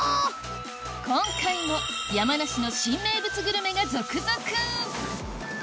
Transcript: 今回も山梨の新名物グルメが続々！